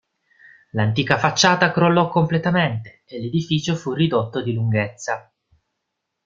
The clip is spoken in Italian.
L'antica facciata crollò completamente e l'edificio fu ridotto di lunghezza.